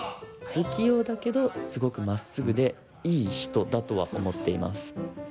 不器用だけどすごくまっすぐでいい人だとは思っています。